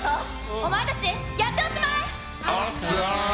お前たち、やっておしまい！